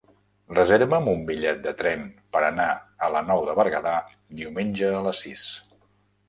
Reserva'm un bitllet de tren per anar a la Nou de Berguedà diumenge a les sis.